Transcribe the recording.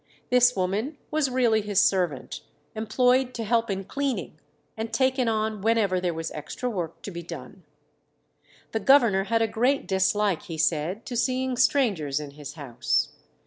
This woman was really his servant, employed to help in cleaning, and taken on whenever there was extra work to be done. The governor had a great dislike, he said, to seeing strangers in his house.